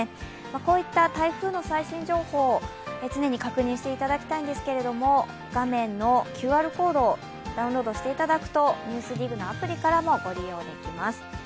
こういった台風の最新情報、常に確認していただきたいんですけども、画面のＱＲコードダウンロードしていただくと「ＮＥＷＳＤＩＧ」のアプリからもご利用できます。